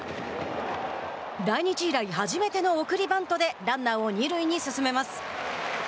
来日以来、初めての送りバントでランナーを二塁に進めます。